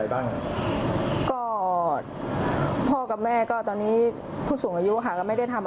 บ้างก็พ่อกับแม่ก็ตอนนี้ผู้สูงอายุค่ะก็ไม่ได้ทำ